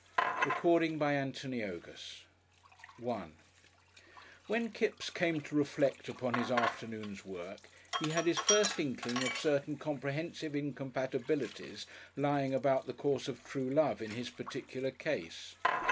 CHAPTER V THE PUPIL LOVER §1 When Kipps came to reflect upon his afternoon's work he had his first inkling of certain comprehensive incompatibilities lying about the course of true love in his particular case.